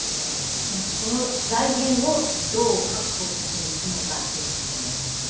つまり財源をどう確保していくのかですよね。